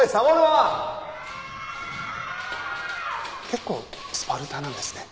結構スパルタなんですね。